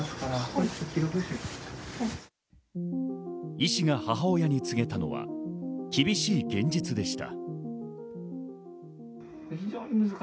医師が母親に告げたのは厳しい現実でした。